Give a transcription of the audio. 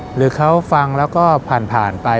หรือเขาฟังแล้วก็ผ่านไป